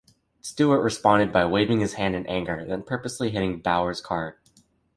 Stewart responded by waving his hand in anger, then purposely hitting Bowyer's car.